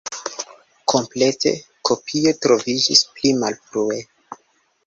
Kompleta kopio troviĝis pli malfrue.